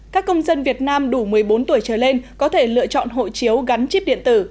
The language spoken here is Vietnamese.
các công dân việt nam đủ một mươi bốn tuổi trở lên có thể lựa chọn hộ chiếu gắn chip điện tử